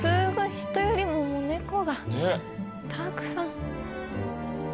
人よりもネコがたくさん。